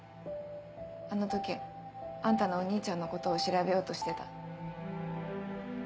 あの時あんたのお兄ちゃんのことを調べようとしてた。